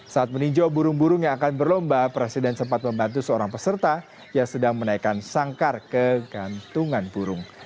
saat meninjau burung burung yang akan berlomba presiden sempat membantu seorang peserta yang sedang menaikan sangkar ke gantungan burung